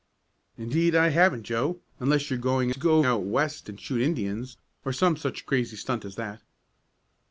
"Indeed I haven't, Joe, unless you're going to go out West and shoot Indians, or some such crazy stunt as that."